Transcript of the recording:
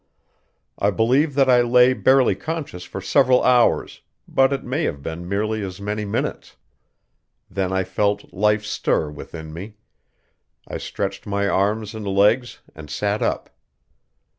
I believe that I lay barely conscious for several hours, but it may have been merely as many minutes. Then I felt life stir within me; I stretched my arms and legs and sat up.